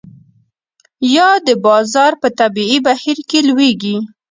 یا د بازار په طبیعي بهیر کې لویږي.